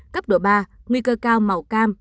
cấp độ ba nguy cơ cao màu cam